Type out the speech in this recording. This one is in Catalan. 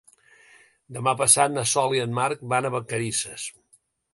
Demà passat na Sol i en Marc van a Vacarisses.